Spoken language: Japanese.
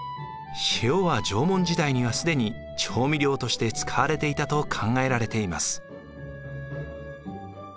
塩は縄文時代には既に調味料として使われていたと考えられています。